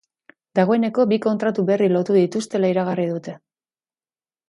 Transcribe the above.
Dagoeneko bi kontratu berri lortu dituztela iragarri dute.